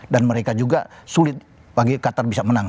dan mereka juga sulit bagi qatar bisa menang